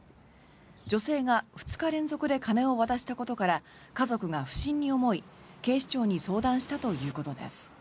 女性が２日連続で金を渡したことから家族が不審に思い、警視庁に相談したということです。